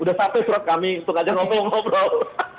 udah sampai surat kami untuk ngajakin ngobrol ngobrol